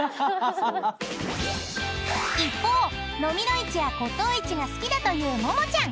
［一方蚤の市や骨董市が好きだというももちゃん］